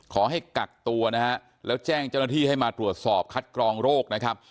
ขอให้กักตัวนะฮะแล้วแจ้งเจ้าหน้าที่ให้มาตรวจสอบคัดกรองโรคนะครับ